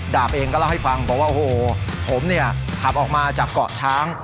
ดาบเองก็เล่าให้ฟังบอกว่าโอ้โหผมเนี่ยขับออกมาจากเกาะช้าง